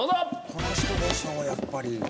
この人でしょうやっぱり。